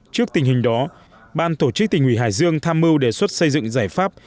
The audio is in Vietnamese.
trước tình hình đó ban tổ chức tỉnh ủy hải dương tham mưu đề xuất xây dựng giải pháp